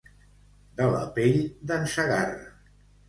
De la pell d'en Segarra.